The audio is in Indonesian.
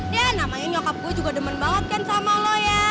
ya namanya nyokap gue juga demen banget kan sama lo ya